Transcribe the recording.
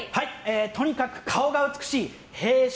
とにかく顔が美しい弊社